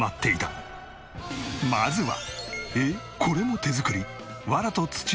まずは。